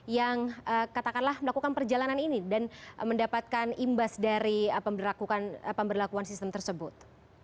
yang katakanlah melakukan perjalanan ini dan mendapatkan imbas dari pemberlakuan sistem tersebut